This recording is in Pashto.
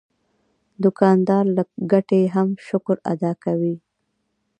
دوکاندار له ګټې هم شکر ادا کوي.